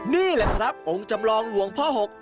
นี่แหละครับองค์จำลองหลวงพ่อหก